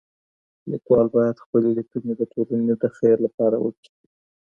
ليکوال بايد خپلي ليکنې د ټولني د خير لپاره وکړي.